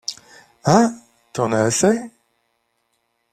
Hein ? t’en as assez !